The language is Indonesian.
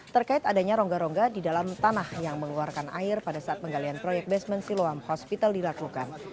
terkait adanya rongga rongga di dalam tanah yang mengeluarkan air pada saat penggalian proyek basement siloam hospital dilakukan